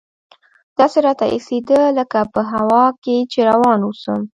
داسې راته اېسېده لکه په هوا کښې چې روان اوسم.